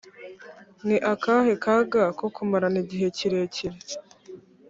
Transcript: ni akahe kaga ko kumarana igihe kirekire